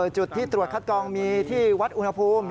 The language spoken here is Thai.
จุดที่ตรวจคัดกองมีที่วัดอุณหภูมิ